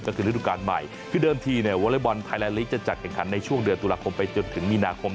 ก็คือฤดูการใหม่คือเดิมทีเนี่ยวอเล็กบอลไทยแลนลีกจะจัดแข่งขันในช่วงเดือนตุลาคมไปจนถึงมีนาคม